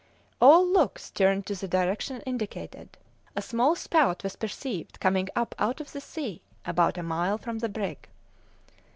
All looks turned to the direction indicated. A small spout was perceived coming up out of the sea about a mile from the brig.